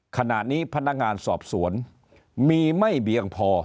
ขณะนี้พนักงานสอบสวนมีไม่เพียงพอ